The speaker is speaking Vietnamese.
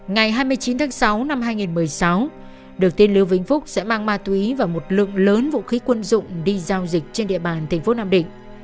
ngày hai mươi chín tháng sáu năm hai nghìn một mươi sáu được tên lưu vĩnh phúc sẽ mang ma túy và một lượng lớn vũ khí quân dụng đi giao dịch trên địa bàn thành phố nam định